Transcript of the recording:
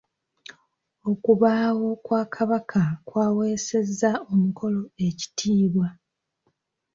Okubaawo kwa kabaka kw'aweesezza omukolo ekitiibwa.